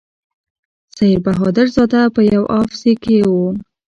سیر بهادر زاده په یو اف سي کې و.